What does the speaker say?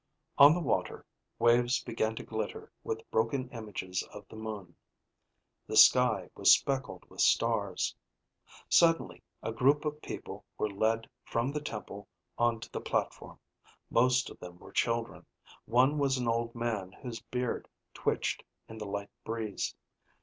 On the water, waves began to glitter with broken images of the moon. The sky was speckled with stars. Suddenly a group of people were led from the temple onto the platform. Most of them were children. One was an old man whose beard twitched in the light breeze.